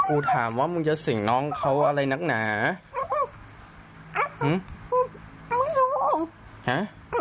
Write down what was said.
กูถามว่ามึงจะสิ่งน้องเขาอะไรนักหนาฮะ